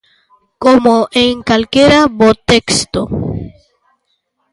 Como en calquera bo texto...